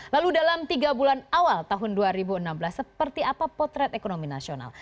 lalu dalam tiga bulan awal tahun dua ribu enam belas seperti apa potret ekonomi nasional